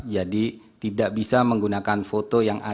jadi tidak bisa menggunakan foto yang digunakan